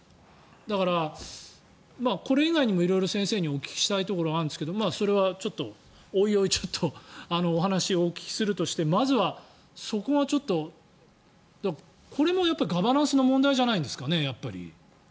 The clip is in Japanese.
だから、これ以外にも色々先生にお聞きしたいところがあるんですがそれはちょっと、追い追いお話をお聞きするとしてまずはそこがちょっとこれもガバナンスの問題じゃないんですかね。